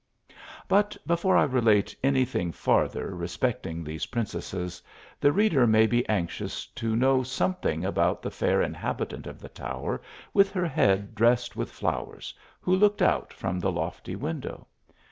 But before I relate any thing farther respecting these princesses, the reader may be anxious to know something about the fair inhabitant of the tower with her head drest with flowers, who looked out from the lofty window.